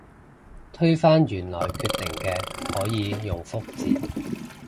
推翻原來決定嘅可以用覆字